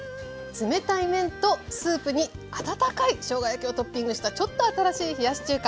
冷たい麺とスープに温かいしょうが焼きをトッピングしたちょっと新しい冷やし中華。